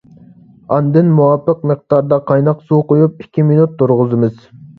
ئاندىن مۇۋاپىق مىقداردا قايناق سۇ قۇيۇپ، ئىككى مىنۇت تۇرغۇزىمىز.